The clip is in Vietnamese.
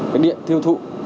cái điện thiêu thụ